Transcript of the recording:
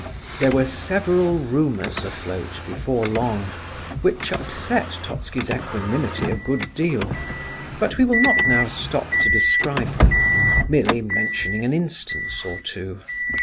There were several rumours afloat, before long, which upset Totski's equanimity a good deal, but we will not now stop to describe them; merely mentioning an instance or two.